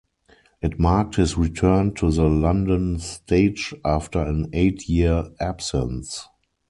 It marked his return to the London stage after an eight year absence.